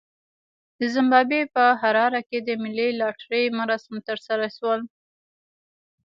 د زیمبابوې په حراره کې د ملي لاټرۍ مراسم ترسره شول.